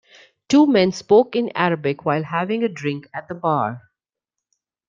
Two men spoke in Arabic while having a drink at the bar.